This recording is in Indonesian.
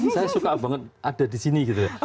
saya suka banget ada di sini gitu